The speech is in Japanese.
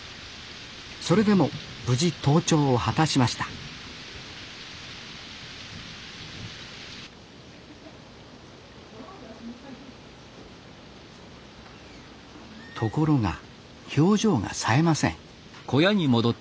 それでも無事登頂を果たしましたところが表情がさえません